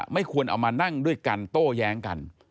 ไม่ควรเอามานั่งด้วยกันโต้แย้งกัน